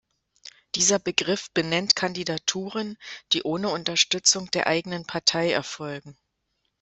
Dieser Begriff benennt Kandidaturen, die ohne Unterstützung der eigenen Partei erfolgen.